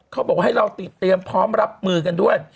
เขาบอกให้เราติดเตรียมพร้อมรับมือกันด้วย